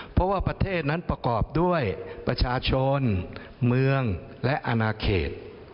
เพราะว่าประเทศนั้นประกอบด้วยประชาชนเมืองและอนาเขต